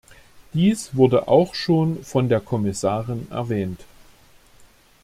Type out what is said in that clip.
Dies wurde auch schon von der Kommissarin erwähnt.